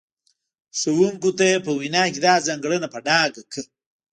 ښوونکو ته یې په وینا کې دا ځانګړنه په ډاګه کړه.